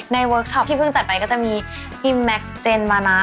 เวิร์คช็อปที่เพิ่งจัดไปก็จะมีพี่แม็กซเจนมานะ